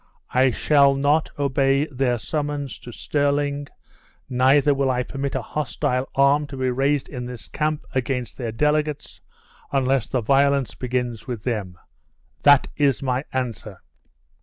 I shall not obey their summons to Stirling; neither will I permit a hostile arm to be raised in this camp against their delegates, unless the violence begins with them. This is my answer."